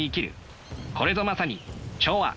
これぞまさに調和！